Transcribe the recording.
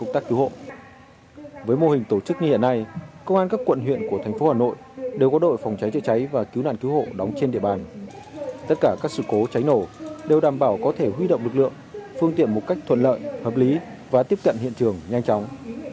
tất cả các sự cố cháy nổ đều đảm bảo có thể huy động lực lượng phương tiện một cách thuận lợi hợp lý và tiếp cận hiện trường nhanh chóng